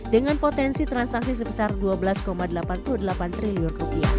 dengan potensi transaksi sebesar rp dua belas delapan puluh delapan triliun